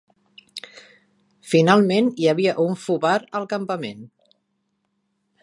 Finalment hi havia un Foo Bar al campament.